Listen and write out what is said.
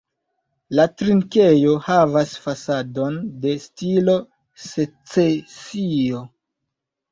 La trinkejo havas fasadon de stilo secesio.